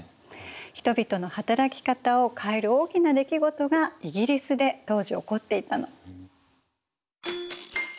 人々の働き方を変える大きな出来事がイギリスで当時起こっていたの。